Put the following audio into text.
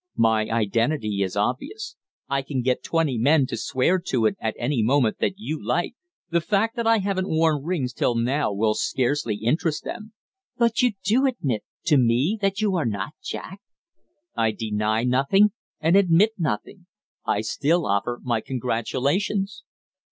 My identity is obvious. I can get twenty men to swear to it at any moment that you like. The fact that I haven't worn rings till now will scarcely interest them." "But you do admit to me, that you are not Jack?" "I deny nothing and admit nothing. I still offer my congratulations."